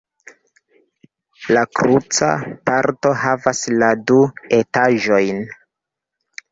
La kruca parto havas la du etaĝojn.